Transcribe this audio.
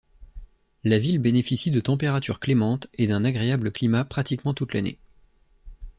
La ville bénéficie de températures clémentes et d'un agréable climat pratiquement toute l'année.